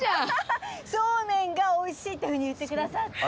そうめんがおいしいってふうに言ってくださって。